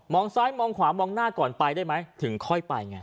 ซ้ายมองขวามองหน้าก่อนไปได้ไหมถึงค่อยไปไง